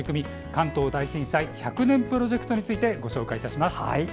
関東大震災１００年プロジェクトについてご紹介いたします。